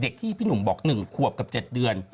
ที่พี่หนุ่มบอก๑ขวบกับ๗เดือน